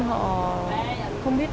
họ không biết